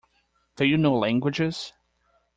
Do you know languages?